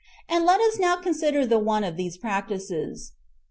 And let us now consider the one of these practices.